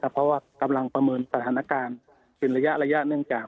เพราะว่ากำลังประเมินสถานการณ์เป็นระยะเนื่องจาก